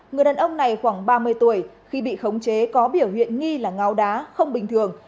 người đàn ông này khoảng ba mươi tuổi khi bị khống chế có biểu hiện nghi là ngáo đá không bình thường